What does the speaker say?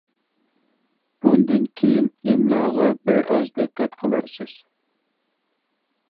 بۇندىن كېيىن ئىملاغا بىر ئاز دىققەت قىلارسىز.